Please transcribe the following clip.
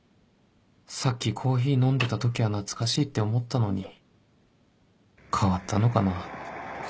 さっきコーヒー飲んでた時は懐かしいって思ったのに変わったのかな？